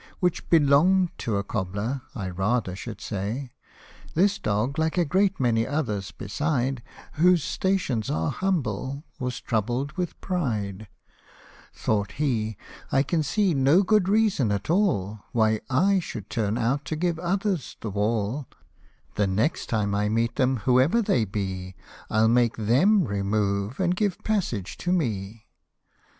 Which belonged to a cobler, I rather should say,) This dog like a great many others beside, Whose stations are humble, was troubled with pride Thought he, " I can see no good reason at all, Why I should turn out to give others the wall ; The Co bier's l)<> Peter llie ( i rent. 99 The next time I meet them, whoever they be, I'll make them remove to give passage to me.'